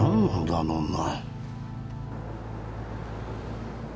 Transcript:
あの女。